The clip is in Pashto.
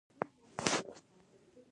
کۀ دغه کس کښېناستے نشي نو څملي دې